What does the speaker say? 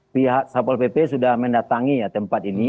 pihak sapol pp sudah mendatangi tempat ini